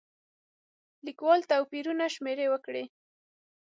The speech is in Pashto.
لیکوال توپیرونه شمېرې وکړي.